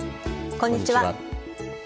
こんにちは。